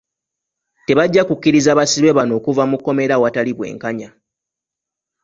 Tebajja kukkiriza basibe bano okuva mu kkomera awatali bwenkanya.